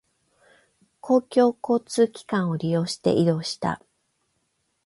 公共交通機関を利用して移動した。